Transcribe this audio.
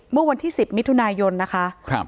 เมื่อวันที่๑๐มิถุนายนนะคะ